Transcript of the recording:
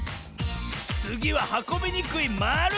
つぎははこびにくいまる！